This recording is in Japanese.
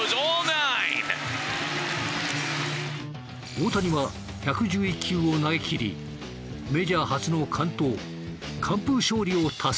大谷は１１１球を投げきりメジャー初の完投完封勝利を達成。